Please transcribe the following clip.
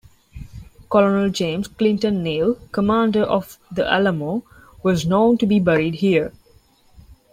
Colonel James Clinton Neill, commander of the Alamo, was known to be buried here.